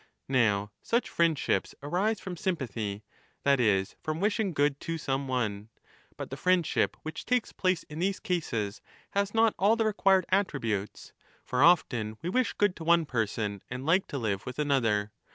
Now such friendships arise from sympathy, that is, from wishing good to some one. But the friendship which takes place in these cases has not all the required attributes. 25 For often we wish good to one person and like to live with another.